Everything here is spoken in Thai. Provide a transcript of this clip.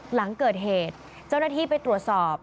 หลังเกิดเหตุเจ้าหน้าที่ไปตรวจสอบ